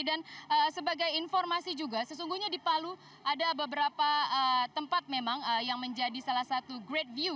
dan sebagai informasi juga sesungguhnya di palu ada beberapa tempat memang yang menjadi salah satu great view